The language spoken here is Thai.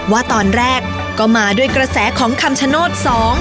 ว่าตอนแรกก็มาด้วยกระแสของคำชโนธสอง